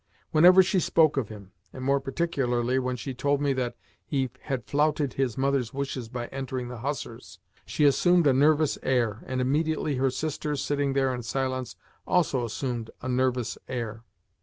Whenever she spoke of him, and more particularly when she told me that he had flouted his mother's wishes by entering the Hussars, she assumed a nervous air, and immediately her sisters, sitting there in silence, also assumed a nervous air.